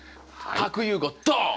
核融合ドーン！